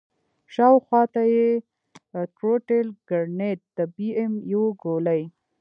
شاوخوا ته يې ټروټيل ګرنېټ د بي ام يو ګولۍ.